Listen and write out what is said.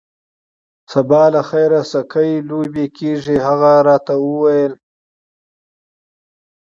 سبا له خیره سکی لوبې کیږي. هغه راته وویل.